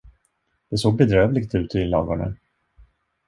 Det såg bedrövligt ut i lagården.